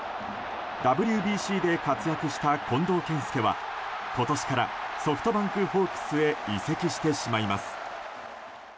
ＷＢＣで活躍した近藤健介は今年からソフトバンクホークスへ移籍してしまいます。